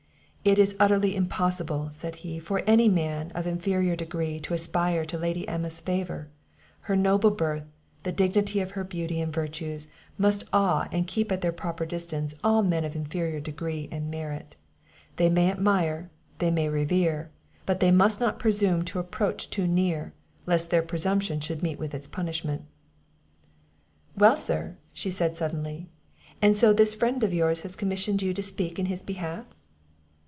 "It is utterly impossible," said he, "for any man of inferior degree to aspire to Lady Emma's favour; her noble birth, the dignity of her beauty and virtues, must awe and keep at their proper distance, all men of inferior degree and merit; they may admire, they may revere; but they must not presume to approach too near, lest their presumption should meet with its punishment." "Well, sir," said she, suddenly; "and so this friend of yours has commissioned you to speak in his behalf?"